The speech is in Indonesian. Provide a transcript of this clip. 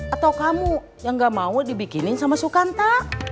atau kamu yang gak mau dibikinin sama sukanta